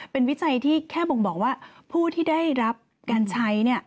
เป็นวิจัยที่แค่บ่งบอกว่าผู้ที่ได้รับการใช้